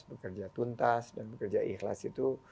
bekerja tuntas dan bekerja ikhlas itu